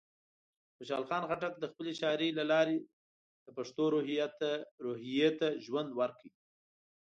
خوشحال خان خټک د خپلې شاعرۍ له لارې د پښتنو روحیه ته ژوند ورکړ.